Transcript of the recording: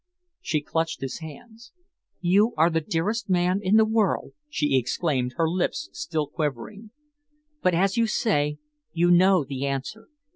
She clutched his hands. "You are the dearest man in the world," she exclaimed, her lips still quivering, "but, as you say, you know the answer.